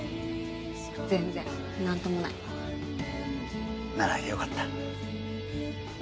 全然何ともないならよかった